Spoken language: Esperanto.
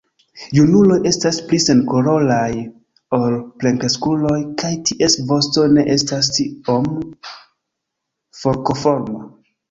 Junuloj estas pli senkoloraj ol plenkreskuloj kaj ties vosto ne estas tiom forkoforma.